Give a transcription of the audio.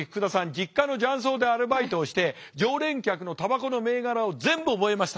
実家の雀荘でアルバイトをして常連客のたばこの銘柄を全部覚えました。